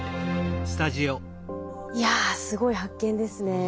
いやすごい発見ですね。